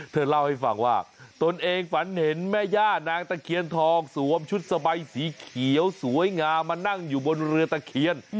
เธอเล่าให้ฟังว่าตนเองฝันเห็นแม่ย่านางตะเคียนทองสวมชุดสบายสีเขียวสวยงามมานั่งอยู่บนเรือตะเคียน